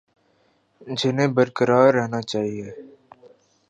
جنہیں برقرار رہنا چاہیے